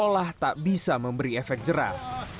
tidak bisa memberi efek jerah